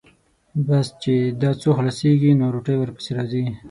بس چې دا څو خلاصېږي، نو روټۍ ورپسې راځي.